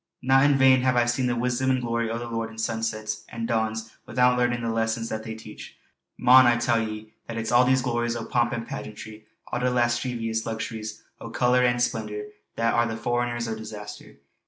Not in vain hae I seen the wisdom and glory o' the Lord in sunsets an' dawns wi'oot learnin' the lessons that they teach. Mon, I tell ye that it's all those glories o' pomp and pageantry all the lasceevious luxuries o' colour an' splendour, that are the forerinners o' disaster.